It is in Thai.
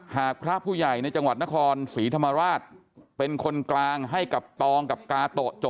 หากพระผู้ใหญ่ในจังหวัดนครศรีธรรมราช